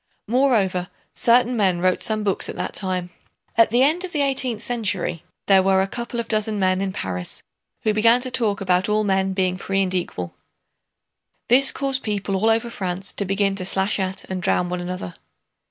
Moreover, certain men wrote some books at that time. At the end of the eighteenth century there were a couple of dozen men in Paris who began to talk about all men being free and equal. This caused people all over France to begin to slash at and drown one another.